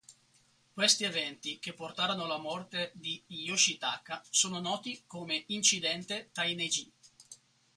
Questi eventi che portarono alla morte di Yoshitaka sono noti come "incidente Tainei-ji".